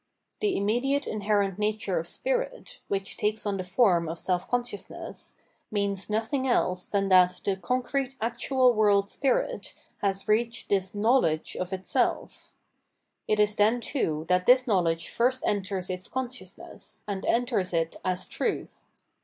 The immediate inherent nature of spirit, which takes on the form of self consciousness, means nothing else than that the concrete actual world spirit has reached this knowledge of itself. It is then too that this knowledge first enters its consciousness, and enters it as truth.